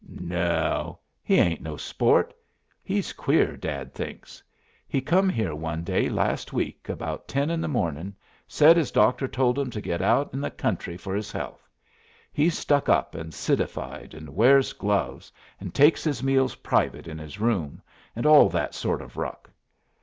"No oh, he ain't no sport. He's queer, Dad thinks. He come here one day last week about ten in the morning, said his doctor told him to go out 'en the country for his health. He's stuck up and citified, and wears gloves, and takes his meals private in his room, and all that sort of ruck.